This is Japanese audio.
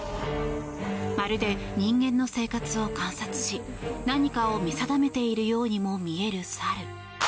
まるで人間の生活を観察し何かを見定めているようにも見える猿。